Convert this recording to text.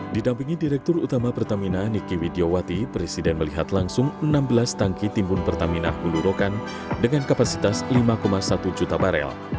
didampingi direktur utama pertamina niki widiawati presiden melihat langsung enam belas tangki timbun pertamina hulu rokan dengan kapasitas lima satu juta barel